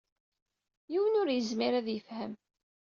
Yiwen ur yezmir ad t-yefhem.